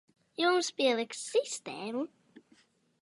Jums pieliks sistēmu.